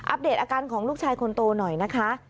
เดตอาการของลูกชายคนโตหน่อยนะคะ